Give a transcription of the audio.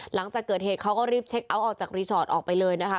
หลังจากเกิดเหตุเขาก็รีบเช็คเอาท์ออกจากรีสอร์ทออกไปเลยนะคะ